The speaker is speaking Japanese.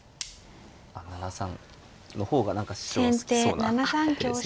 ７三の方が何か師匠が好きそうな手ですね。